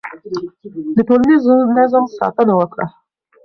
د ټولنیز نظم ساتنه وکړه.